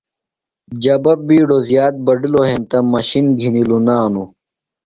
جبہ بِیڈو زِیات بڈِلوۡ ہینتہ مشِن گِھنیۡ لُنانوۡ۔